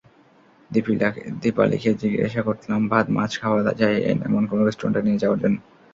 দীপালিকে জিজ্ঞাসা করলাম ভাত–মাছ খাওয়া যায় এমন কোনো রেস্টুরেন্টে নিয়ে যাওয়ার জন্য।